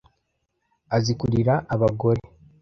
Azi kurira abagore.